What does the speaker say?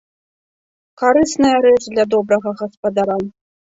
Карысная рэч для добрага гаспадара.